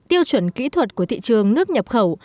tiêu chuẩn kỹ thuật của thị trường nước nhập khẩu